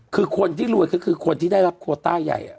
คือคนที่รวยก็คือคนที่ได้รับโคต้าใหญ่